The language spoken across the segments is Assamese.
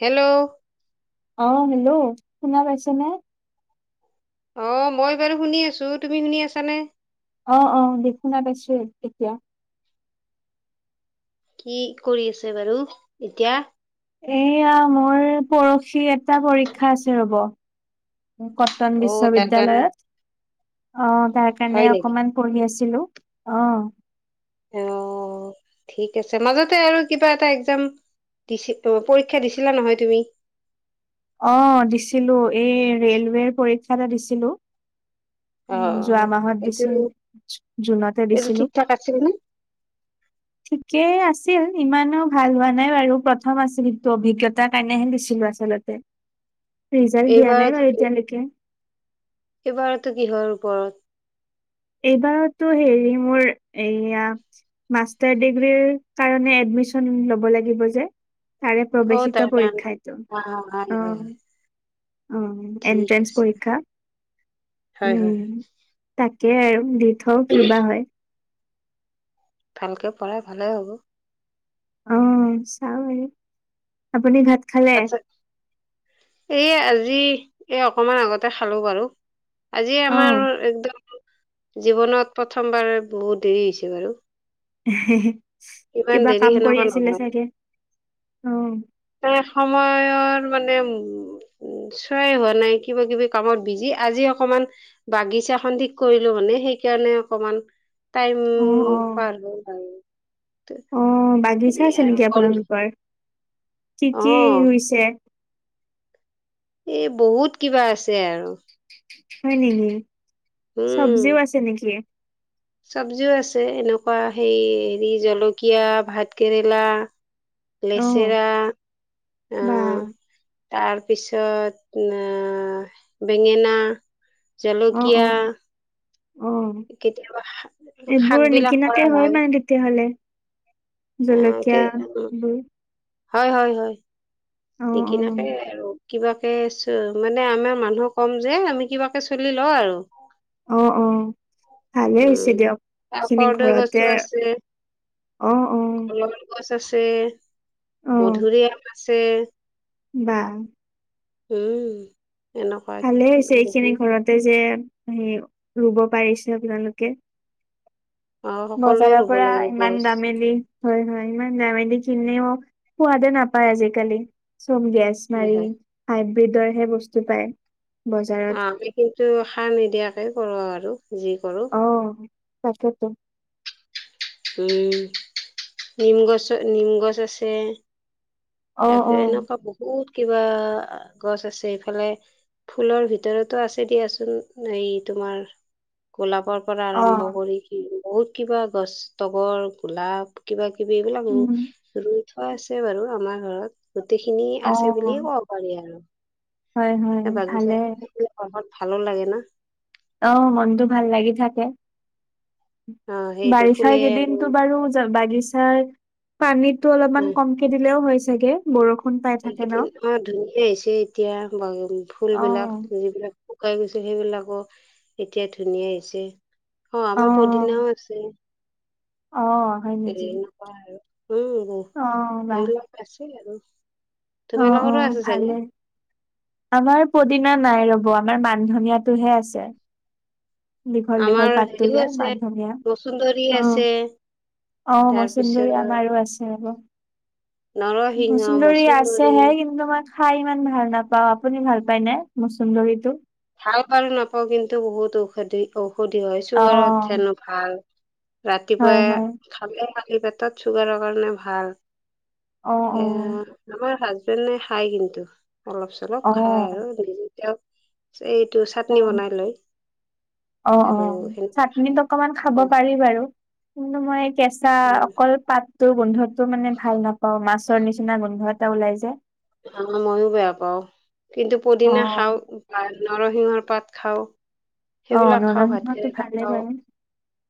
হেল্ল', অ, হেল্ল', শুনা পাইছনে। অ, মই বাৰু শুনি আছো তুমি শুনি আছানে? অ - অ দেখুনাতাইছিল এতিয়া। কি কৰি আছে বাৰু এতিয়া? এয়া মোৰ পৰহি এটা পৰীক্ষা আছে ৰ'ব। কটন অ তাৰ কাৰণে বিশ্ববিদ্যালয়ত। অ' তাৰ কাৰণে হয় নেকি? অকমান পঢ়ি আছিলো অ'। অ' ঠিক আছে মাজতে আৰু কিবা এটা একজাম দিছিল পৰীক্ষা দিছিলা নহয় তুমি। অ' দিছিলো এই ৰে'লৱেৰ পৰীক্ষা এটা দিছিলো। অ অ উম' যোৱা মাহত এইটো দিছিল জুনতে এইটো দিছিলো। ঠিক ঠাক আছিল নে? ঠিকেই আছিল ইমান। ভাল হোৱা নাই বাৰু প্ৰথম আছিল সিটো অভিজ্ঞতাৰ কাৰণেহে দিছিলো আচলতে। ৰিজাল্ট দিয়া নাই এইবাৰতো বাৰু কি এতিয়ালৈকে। এইবাৰতো কিহৰ ওপৰত এইবাৰ হেৰি মোৰ মাষ্টাৰ ডিগ্ৰী কাৰণে এডমিচন ল'ব লাগিব যে তাৰে অ তাৰ প্ৰৱেশিকা কাৰণে পৰীক্ষা ইতো অ হয় অ'। হয় হয় অ' ঠিক এনট্ৰেন্ঞ্চ আছে পৰীক্ষা হয় হয় উ' তাকে আৰু থউ কিবা হয়। ভালকে পঢ়াই ভালে হ'ব। অ' চাও আৰু আপুনি ঘ আচ্ছা এই আজি এই অকমান আগতে খালো বাৰু আজি আমাৰ অ', একদম। জীৱনত প্ৰথমবাৰ বহুত দেৰি হৈছে বাৰু ইমান কিবা দেৰি কাম সেনেকুৱা কৰি আছিলে চাগে অ'। এই সময়ৰ মানে উম'। উ চোৱাই হোৱা নাই কিবা কিবি কামত বিজি, আজি অকমান বাগিচা খন ঠিক কৰিলো মানে। সেইকাৰণে অকমান টাইম অ', অ'। পাৰ হ'ল বাৰু। অ' বাগিচা আছে আৰু নেকি বন্ধ আপোনালোকৰ, কি অ কি ৰুইছে? এ বহুত কিবা আছে আৰু। হয় নেকি, চবজিও উম আছে নেকি? চব্জিও আছে এনেকুৱা সেই হেৰি জলকীয়া, ভাতকেৰেলা। অ', লেচেৰা বা আহ তাৰপিছত তাৰপিছত বেঙেনা, অ', জলকীয়া। অ'। অ' কেতিয়াবা শাক এইবোৰ বিলাক কৰা নিকিনাকে হয় মানে তেতিয়া হ'লে? অহ তে উ। এইবোৰ হয়-হয়-হয় অ অ নিকিনাকে আৰু কিবাকে মানে আমাৰ মানুহক ক'ম যে আমি কিবাকে চলি লওঁ আৰু। অ অ ভালে উ হৈছে দিয়ক আৰু এইখিনি কৰ্দৈ ঘৰতে গছো আছে। অ অ কলৰ গছ আছে, মধুৰিআম আছে। বাঃ উম। এনেকুৱা ভালে হৈছে, এইখিনি বহুত ঘৰতে যে হে ৰুব পাৰিছে আপোনালোকে। অ সকলোৱে বজাৰৰ ৰুব পৰা লাগে ইমান গছ দামেলি। হয়-হয় ইমান দামেদি কিনেও, সোৱাদে নাপায় আজিকালি। প্ৰথম গেছ হয় মাৰি হয় হাইব্ৰীডৰ হে বস্তু পায়। বজাৰত অ' আমি কিন্তু সাৰ নিদিয়াকে কৰো আৰু যি কৰো। অ তাকেতো। নিম গছত নিম গছ আছে। অ অ তাৰপিছত এনেকুৱা বহুত কিবা গছ আছে, এইফালে ফুলৰ ভিতৰতো আছে দিয়াচোন এই তোমাৰ গোলাপ পৰা অ আৰম্ভ কৰি বহুত কিবা গছ তগৰ, গোলাপ কিবা কিবি এইবিলাক উম ৰুই থোৱা আছে বাৰু আমাৰ ঘৰত। গোটেইখিনি অ', আছে বুলিয়ে ক'ব পাৰি আৰু। হয় হয় ভালে বাগিচাখন থাকিলে পঢ়াত ভালো লাগে না। অহ মনটো ভাল লাগি থাকে। অ সেইটো বাৰিষা ফুলে আৰু কেইদিনটো বাৰু বাগিচাৰ পানীত টো অলপমান উম কমকে দিলেও হয় চাগে, বৰষুণ পাই থাকে ন? এইকেইদিন ধুনীয়া হৈছে, এতিয়া ফুল বিলাক অ', যিবিলাক শুকাই গৈছো, সেইবিলাকো এতিয়া ধুনীয়া হৈছে, অ', আমাৰ পদিনাও আছে। অ', অ হয় এ নেকি? নাপা আৰু উম ব [unintelligible] অ', বাহ। স লগ আছিল আৰু। অ', তোমালোকৰো অ', আছে ভালে চাগে? আমাৰ পদিনা নাই ৰ'ব আমাৰ মানধনিয়াটোহে আছে। দীঘল দীঘল আমাৰ পাতো হেৰিও যে আছে মান ধনীয়া, মচুন্দৰী অহ। আছে অ', তাৰপিছত মচুন্দৰী আমাৰো আছে ৰ'ব। মচুন্দৰী আছেহে, কিন্তু মাৰ খাই ইমান ভাল নাপাওঁ, আপুনি ভাল পায় নে মচুন্দৰিটো? ভাল বাৰু নাপাওঁ, কিন্তু বহুত ঔষধি ঔষধি হয় অ চুগাৰত হেনো ভাল। হয় হয় ৰাতিপুৱাই খালে খালি পেটত চুগাৰৰ কাৰণে ভাল। অ অ সে আমাৰ হাজবেণ্ড এ খাই কিন্তু। অলপ অ চলপ খাই আৰুতি এইটো অ চাটনি বনাই লৈ। অ', অ', চাটনিত অকমান খাব পাৰি বাৰু। কিন্তু মই কেঁচা অকল পাত ত গোন্ধতো মানে ভাল নাপাওঁ মাছৰ নিচিনা গোন্ধ এটা ওলাই যে। অ', মইওঁ বেয়া পাওঁ, কিন্তু অ পদিনা খাওঁ। নৰসিংহৰ পাত খাওঁ অ সেইবিলাক খাওঁ ভাত নৰসিংহটো কেৰেলা ভালেই খাওঁ বাৰু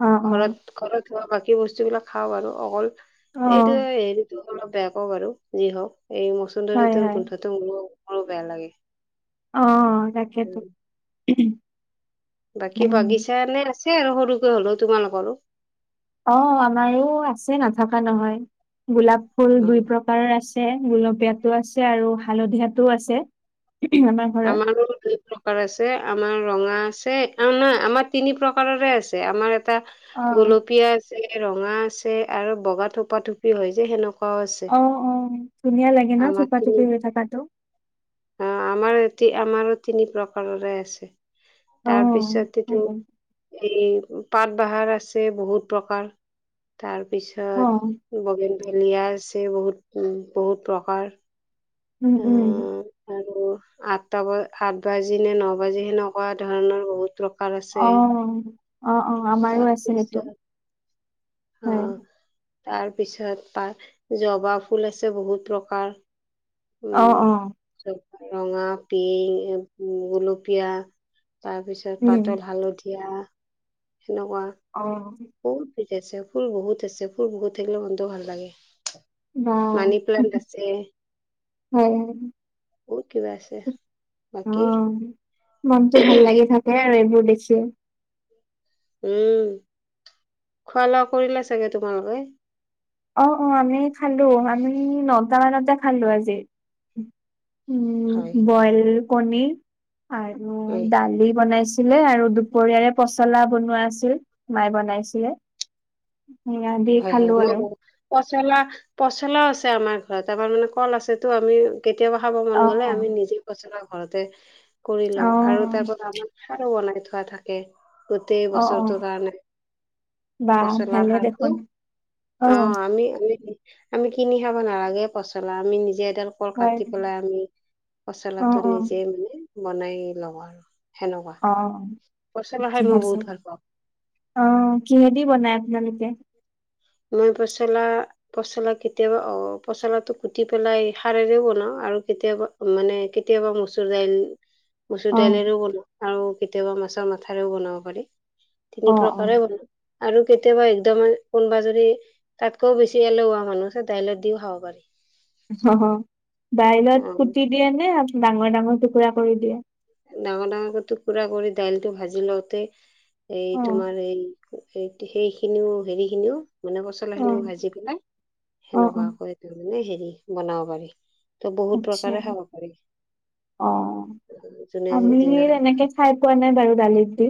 অ অ ঘৰত ঘৰত হোৱা বাকী বস্তু বিলাক খাওঁ আৰু অকল অ এইটো হেৰিতো অলপ বেয়া কওঁ বাৰু যি হওঁক এই হয় মচুন্দৰীটোৰ হয় গোন্ধটো মোৰ মোৰো বেয়া লাগে। অ', তাকেইতো। বাকী বাগিছা এানে আছে আৰু সৰুকে হ'লেও তোমালোকৰো। অ', আমাৰো আছে নাথকা নহয়। গোলাপ ফুল অ দুই প্ৰকাৰৰ আছে গুলপীয়াটো আছে আৰু হালধীয়াটো আছে। আমাৰ ঘৰত আমাৰো এই প্ৰকাৰ আছে আমাৰ ৰঙা অ', নাই আমাৰ তিনি প্ৰকাৰৰে আছে আমাৰ এটা অ গোলপীয়া আ ৰঙা আছে আৰু বগা থোপা থোপি হয় যে সেনেকুৱা অ', অ', ধুনীয়া লাগে ন আমাৰ থোপা তিনি থুপি হৈ থকাটো। অ', আমাৰ এতি আমাৰো তিনি প্ৰকাৰৰে আছে। অ তাৰপিছত ভাল লাগে। কিন্তু এই পাট বাহাৰ আছে বহুত প্ৰকাৰ অ তাৰপিছত বগে মেলিয় আছে বহুত উ বহুত প্ৰকাৰ উম উম। আহ আৰু আঠটা ব আত বাজি নে ন বাজি সেনেকুৱা ধৰণৰ বহুত আছে অ', অ', অ', আমাৰো আছে সেইটো তাৰপিছত অ হয়। তাৰপিছত তাৰ জবা ফুল আছে বহুত প্ৰকাৰ। অ উম অ চ ৰঙা, পিং, গোলপীয়া তাৰ পিছত উম পাতল হালধীয়া সেনেকুৱা অ বহুত জ আছে ফুল বহুত আছে ফুল বহুত থাকিলে মনটো ভাল লাগে। আহ। মানি প্লান্ট আছে হয় হয় বহুত কিবা আছে বাকী অ'। মনটো ভাল লাগি থাকে আৰু এইবোৰ দেখি। উম খোৱা লোৱা কৰিলে চাগে তোমাৰলোকে অ', অ', আমি খালো আমি নটা মানতে খালো আজি। উম হয় বইল কণীৰ আৰু হয় দালি বনাইছো ছিলে আৰু দুপৰীয়াৰে পচলা বনোৱা আছিল মায়ে বনাইছিলে স দিিয় হয় হয় খালো মই আৰু পচলা পচলাও আছে আমাৰ ঘৰত আমাৰ মানে কল আছে তো আমি কেতিয়াবা খাব মন গ'লে অ', আমি নিজে পচলা ঘৰতে কৰিলো আৰু অ', তাৰপ আমাৰাৰো বনাই থোৱা থাকে গোটেই অ', অ', বছৰটো কাৰণে বা পচলাৰ ভালে সাৰটো দেখোন অ আমি আ আমি কিনি খাব নালাগে পচলা আমি নিজে তেল ক হয়। কাটি পেলাই আমি অ', পচলাটো অ', নিজে মানে বনাই লওঁ আৰু সেনেকুৱা অ পচলা খাই কি মই আছে বহুত ভাল পাওঁ অ কিহেদি বনাই আপোনালোকে এ মই পচলা পচলা কেতিয়াবা অ পচলা টো কুটি পেলাই সাৰেৰে বনাও আৰু কেতিয়াবা মানে কেতিয়াবা মচুৰ দাইল মচুৰ অ', দাইলেৰও বনাওঁ আৰু কেতিয়াবা মাছৰ মাথাৰেও বনাব পাৰি তিনি অ', প্ৰকাৰে বন আৰু কেতিয়াবা একদম কোনোবা যদি তাতকৈও বেছি এলোৱা মানুহ দাইলত দিও খাব পাৰি অ অ বাইলত কুতি দিয়ে নে ডাঙৰ ডাঙৰ টুকুৰা কৰি দিয়ে ডাঙৰ ডাঙৰ কৰিো কুৰা কৰি দাইলটো ভাজি লওঁতে এই অ', তোমাৰ এই সেই খিনিও হেৰি খিনিও মানে পচলা খিনিও অ', ভাজি পেলাই অ', সেনেকুৱা অ', কৰি তাৰ মানে হেৰি বনাব পাৰি তো বহুত আচ্ছা প্ৰকাৰে খাব পাৰি অ যোনে আমি যেনেকে তেনেকে খাই পোৱা নাই বাৰু দালিত দি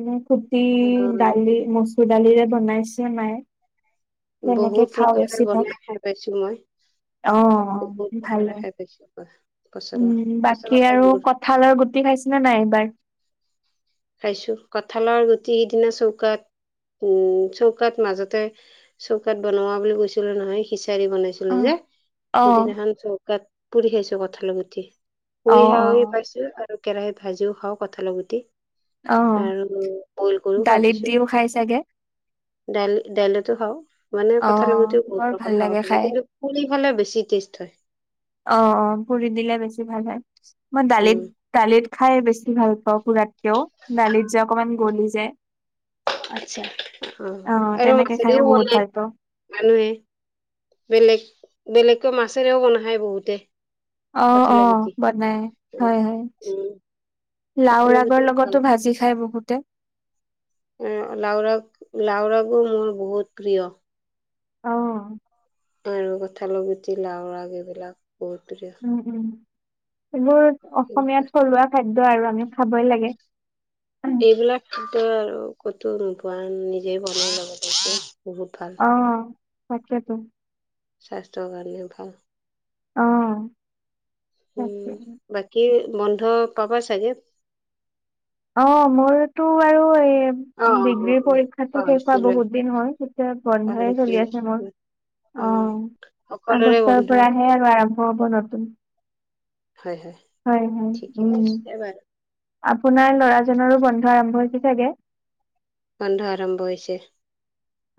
এনে কুটি অ দালি মচুৰ দালিৰে বনাইছে নাই বহুত প্ৰকাৰে বনাই খাই পাইছো মই অ বহুত ভালে প্ৰকাৰে খাই পাইছো পচলা উম পচলা বাকী খাই আৰু বহুত কঠালৰ গুটি খাইছে ন নাই এইবাৰ খাইছো কঁঠালৰ গুটি সিদিনা চৌকাত উম চৌকাত মাজতে চৌকাত বনোৱা বুলি কৈছিলো নহয় সিচ াৰি অ বনাইছিলো যে অ সেইদিনাখন চৌকাত পুৰি খাইছো কঁঠালি গঠি অ পুৰি খা পাইছো আৰু কেৰাহিত ভাজিও খাওঁ কঁঠাল গুটি অ আৰু বইল কৰিও খাই দালিত পাইছো দিও খাই চাগে দাইল দাইলেতো হাও মানে অ কথা লোতেও বহুত বৰ ভাল প্ৰকাৰ খাব লাগে পাৰি খাই কিন্তু পুৰি খালে বেছি টেষ্ট হয় অ অ পুৰি দিলে বেছি ভাল হয় মই উম দালিত দালিত খাই বেছি ভাল পাওঁ পুৰাতকেও দালিত যে অকমান গলি যায় আছা অ অ আৰু তেনেকে মছৰি খাইে বহুত ভাল পাওঁ মানুহে বেলেগ বেলেগকৈ মাছেৰেও বন খায় বহুতে অ অ কঠালৰ গুটি। বনাই উম হয় হয় উম কঠালৰ গুটি লাওৰাগৰ ভাল লগতো ভাজি খায় বহুতে লাওৰাগ লাওৰাগো মোৰ বহুত প্ৰিয় আহ আৰু কথাাল পুতি লাও ৰাগ এইবিলাক বহুত প্ৰিয় উম উম এইবোৰ অসমীয়া সেনেকুৱা থলুৱা খাদ্য আৰু আমি খাবই লাগে এইবিলাক খাদ্য আৰু কতো নোপোৱা নিজে বনাই বহুত ভাল সাকটোো স্বাস্থ্যৰ কাৰণে ভাল আহ উম বাকী বন্ধ পাবা চাগে অ মোৰতো আৰু এ অ অ অ ডিগ্ৰীৰ অ পৰীক্ষাতো শেষ হোৱা পাহৰিছিলোৱে বহুত দিন হ'ল। এতিয়া বন্ধয়ে চলি আছে পাহৰিছিলোৱে মোৰ। উম অ'হ। সকলোৰে আগষ্টৰ বন্ধ পৰাহে আৰু আৰম্ভ হ'ব নতুন। হয়। হয়। হয় ঠিকে উম আছে বাৰু। আপোনাৰ ল'ৰাজনৰো বন্ধ আৰম্ভ হৈছে চাগে? বন্ধ আৰম্ভ হৈছে।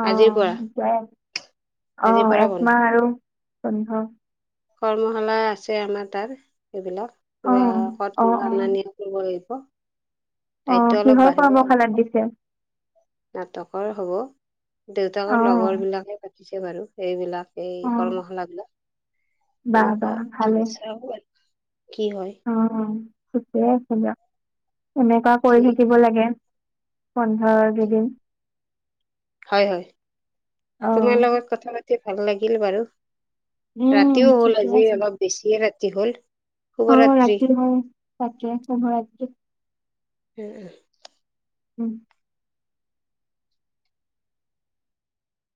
অ আজিৰ পৰা [unintelligible] আজিৰ পৰা বন্ধ অ'একমাহ আৰু বন্ধ। কৰ্মশালা আছে আমাৰ তাত। এইবিলাক কিবা স অ অ [unintelligible] দায়িত্ব অ অলপ কিহৰ বাঢ়িব আৰু। কৰ্মশালাত দিছে নাটকৰ হ'ব, অ দেউতাকৰ লগৰ বিলাকে পাতিছে বাৰু। সেইবিলাক এই অ কৰ্মশালা বিলাক। বাহ এনেকুৱা। বাহ চ অ'হ। ঠিকেই আছে দিয়ক। এনেকুৱা কৰি ঠিক থাকিব লাগে। বন্ধৰ কিদিন। হয়। হয়। তোমাৰ অ', লগত কথা পাতি ভাল লাগিল বাৰু। উম, ৰাতিও হ'ল ঠিকে আজি, অলপ বেছিয়ে ৰাতি হল। শুভৰাত্ৰি অ'ৰাতি হল। তাকে শুভ ৰাত্ৰি। এহ। উম।